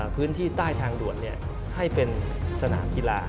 พื้นที่ใต้ทางด่วนให้เป็นสนามกีฬา